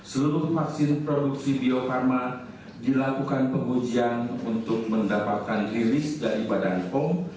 seluruh vaksin produksi bio farma dilakukan pengujian untuk mendapatkan rilis dari badan pom